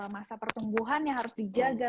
masa pertumbuhan yang harus dijaga